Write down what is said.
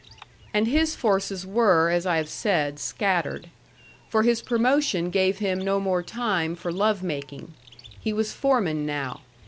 And his forces were, as I have said, scattered. For his promotion gave him no more time for love making. He was foreman now.